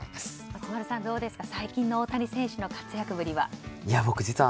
松丸さん、どうですか最近の大谷選手の活躍は。